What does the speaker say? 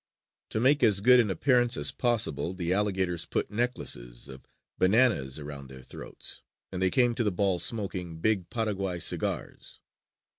To make as good an appearance as possible, the alligators put necklaces of bananas around their throats; and they came to the ball smoking big Paraguay cigars.